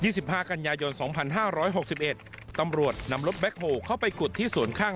สิบห้ากันยายนสองพันห้าร้อยหกสิบเอ็ดตำรวจนำรถแบ็คโฮลเข้าไปกดที่ส่วนข้าง